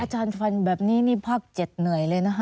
อาจารย์ฟันแบบนี้นี่ภาค๗เหนื่อยเลยนะคะ